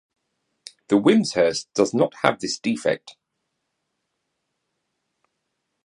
The Wimshurst does not have this defect.